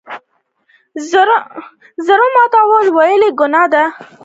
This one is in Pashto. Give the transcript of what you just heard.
زړه ماتول ولې ګناه ده؟